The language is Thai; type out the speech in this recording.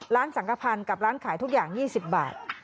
ร้านสังขพันธ์กับร้านขายทุกอย่าง๒๐บาท